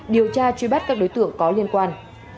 điều tra truy bắt các đối tượng có liên quan